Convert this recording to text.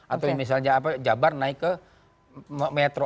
atau misalnya jabar naik ke metro